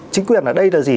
chính quyền ở đây là gì